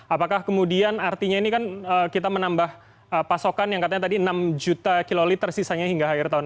apakah kemudian artinya ini kan kita menambah pasokan yang katanya tadi enam juta kiloliter sisanya hingga akhir tahun